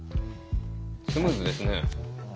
スムーズですね。